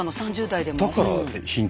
３０代でも。